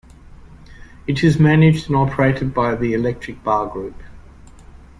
It is managed and operated by the Eclectic Bar Group.